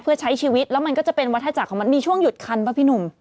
เพื่อใช้ชีวิตแล้วมันก็จะเป็นวัฒนาจักรของมันมีช่วงหยุดคันป่ะพี่หนุ่ม